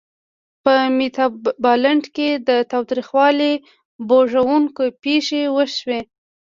په میتابالنډ کې د تاوتریخوالي بوږنوونکې پېښې وشوې.